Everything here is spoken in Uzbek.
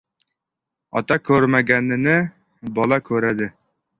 • Ota ko‘rmaganini bola ko‘radi.